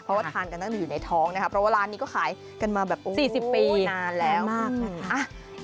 เพราะว่าทานกันตั้งแต่อยู่ในท้องนะคะเพราะว่าร้านนี้ก็ขายกันมาแบบ๔๐ปีนานแล้วมากนะคะ